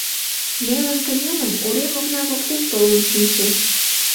Нелын кынелын, урем окна воктек толын шинче.